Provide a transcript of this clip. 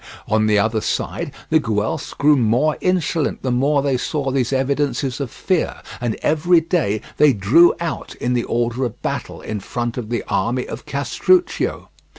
On the other side, the Guelphs grew more insolent the more they saw these evidences of fear, and every day they drew out in the order of battle in front of the army of Castruccio.